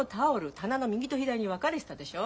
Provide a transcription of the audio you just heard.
棚の右と左に分かれてたでしょ。